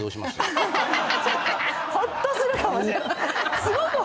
ホッとするかもしれない。